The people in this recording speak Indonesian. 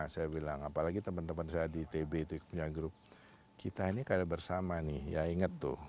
saya bilang apalagi teman teman zadie tb itu itu nyambung kita ini kayak bersama nih ya ingat tuh